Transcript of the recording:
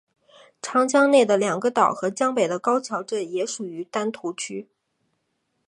长江内的两个岛和江北的高桥镇也属于丹徒区。